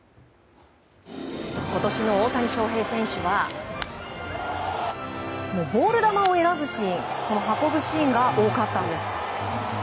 今年の大谷翔平選手はボール球を運ぶシーンが多かったんです。